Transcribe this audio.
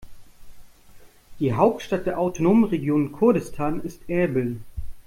Die Hauptstadt der autonomen Region Kurdistan ist Erbil.